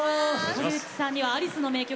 堀内さんにはアリスの名曲